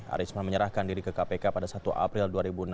arisman menyerahkan diri ke kpk pada satu april dua ribu enam belas